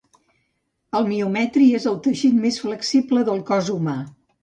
El miometri és el teixit més flexible del cos humà.